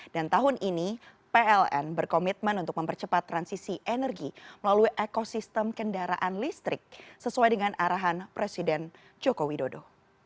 dan tahun ini pln berkomitmen untuk mempercepat transisi energi melalui ekosistem kendaraan listrik sesuai dengan arahan presiden joko widodo